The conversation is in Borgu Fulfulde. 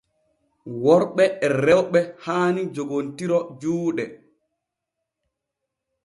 Worɓe e rewɓe haani joggontiro juuɗe.